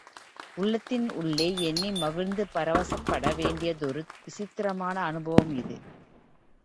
உள்ளத்தின் உள்ளே எண்ணி மகிழ்ந்து பரவசப்பட வேண்டியதொரு விசித்திரமான அனுபவம் இது.